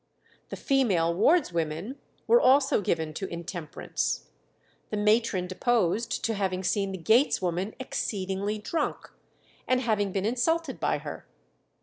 The female wards women were also given to intemperance. The matron deposed to having seen the gates woman "exceedingly drunk," and having been insulted by her.